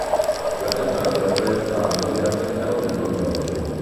La cantante è in realtà legata al caro amico Ambrogio.